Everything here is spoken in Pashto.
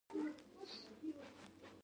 ملی ولې تریخ وي؟